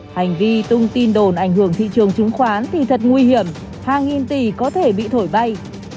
hành vi tung tin đồn ảnh hưởng thị trường chứng khoán thì thật nguy hiểm hàng nghìn tỷ có thể bị thổi bay